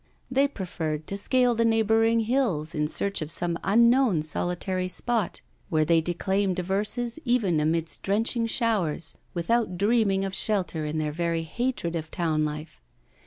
They preferred to scale the neighbouring hills in search of some unknown solitary spot, where they declaimed verses even amidst drenching showers, without dreaming of shelter in their very hatred of town life.